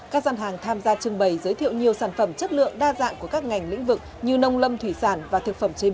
các dân hàng tham gia trưng bày giới thiệu nhiều sản phẩm chất lượng đa dạng của các ngành lĩnh vực như nông lâm thủy sản và thực phẩm chế biến